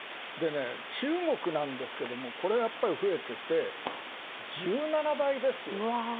中国なんですが、これやっぱり増えてて、１７倍ですよ。